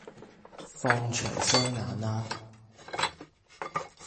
放長雙眼啦